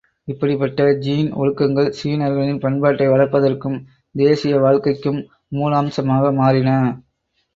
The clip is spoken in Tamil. இப்படிப்படிப்பட்ட ஜீன் ஒழுக்கங்கள், சீனர்களின் பண்பாட்டை வளர்ப்பதற்கும், தேசிய வாழ்க்கைக்கும், மூலாம்சமாக மாறின.